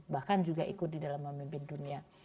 bahkan juga ikut di dalam memimpin dunia